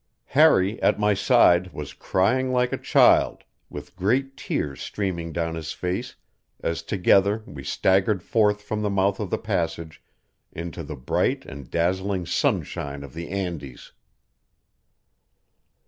Harry, at my side, was crying like a child, with great tears streaming down his face, as together we staggered forth from the mouth of the passage into the bright and dazzling sunshine of the Andes.